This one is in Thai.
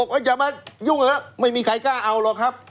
ก็อย่ามายุ่งเหอะไม่มีใครกล้าเอาหรอกครับ